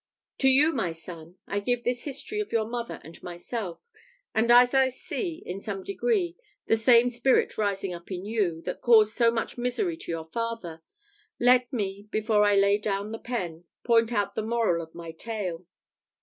To you, my son, I give this history of your mother and myself; and as I see, in some degree, the same spirit rising up in you, that caused so much misery to your father, let me, before I lay down the pen, point out the moral of my tale.